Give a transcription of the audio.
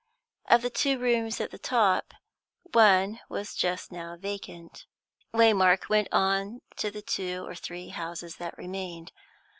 Of the two rooms at the top, one was just now vacant. Waymark went on to the two or three houses that remained.